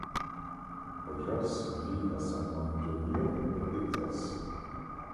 Rogers vit à San Antonio au Texas.